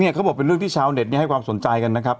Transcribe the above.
เขาบอกเป็นเรื่องที่ชาวเน็ตให้ความสนใจกันนะครับ